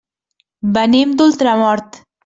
Venim d'Ultramort.